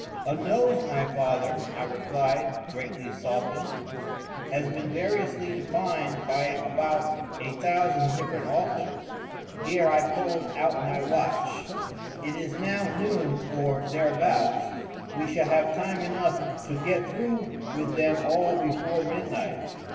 "A nose, my father;" I replied, greatly softened, "has been variously defined by about a thousand different authors." [Here I pulled out my watch.] "It is now noon or thereabouts—we shall have time enough to get through with them all before midnight.